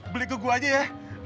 beli ke gue aja ya